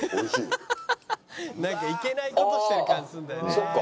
「なんかいけない事してる感じするんだよね」